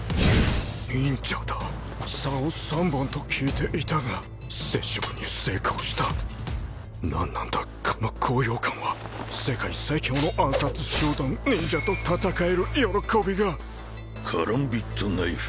忍者だ竿３本と聞いていたが接触に成功した何なんだこの高揚感は世界最強の暗殺集団忍者と戦える喜びがカランビットナイフ？